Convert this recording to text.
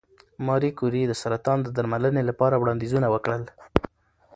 ماري کوري د سرطان د درملنې لپاره وړاندیزونه وکړل.